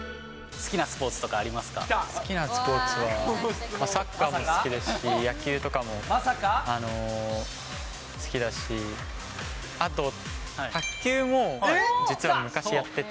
好きなスポーツは、サッカーも好きですし、野球とかも好きだし、あと卓球も実は昔、やってて。